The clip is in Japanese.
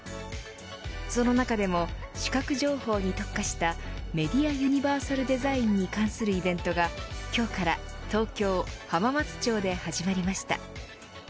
その中でも、視覚情報に特化したメディア・ユニバーサルデザインに関するイベントが今日から東京・浜松町で始まりました。